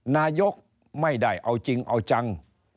นายกไม่ได้เอาจริงเอาจัง